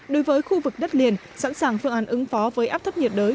đối với khu vực đất liền sẵn sàng phương án ứng phó với áp thấp nhiệt đới